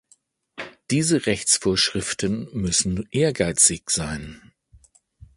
Diese Rechtsvorschriften müssen ehrgeizig sein.